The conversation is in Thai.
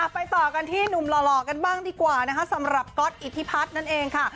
ไปต่อกันที่หนุ่มหล่อกันบ้างดีกว่านะคะสำหรับก๊อตอิทธิพัฒน์นั่นเองค่ะ